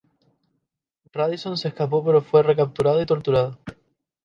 Radisson se escapó pero fue recapturado y torturado.